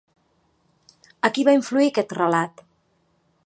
A qui va influir aquest relat?